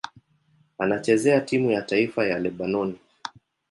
Anachezea timu ya taifa ya Lebanoni.